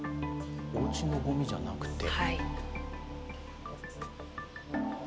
おうちのごみじゃなくて。